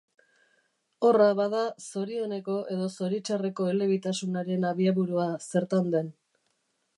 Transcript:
Horra, bada, zorioneko edo zoritxarreko elebitasunaren abiaburua zertan den.